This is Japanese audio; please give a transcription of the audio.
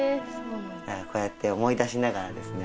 こうやって思い出しながらですね